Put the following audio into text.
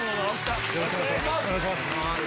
よろしくお願いします。